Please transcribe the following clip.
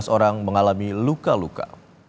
tiga belas orang mengalami luka luka